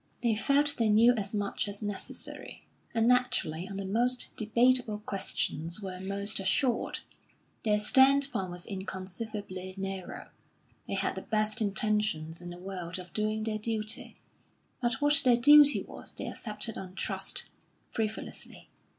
They felt they knew as much as necessary, and naturally on the most debatable questions were most assured. Their standpoint was inconceivably narrow. They had the best intentions in the world of doing their duty, but what their duty was they accepted on trust, frivolously.